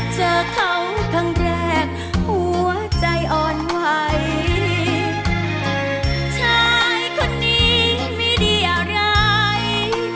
เจอเขาครั้งแรกหัวใจอ่อนไหวชายคนนี้ไม่ได้อะไร